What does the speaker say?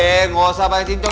eh nggak usah banyak cincong